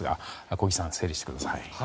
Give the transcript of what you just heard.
小木さん、整理してください。